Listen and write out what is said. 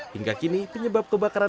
kita kan ada enggak ya